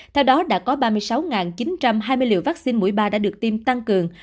theo đó đã có ba mươi sáu chín trăm hai mươi liều vaccine mũi ba đã được tiêm tăng cường